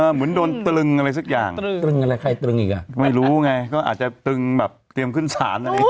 เหมือนโดนตรึงอะไรซักอย่างก็อาจจะตรึงแบบเตรียมขึ้นสาร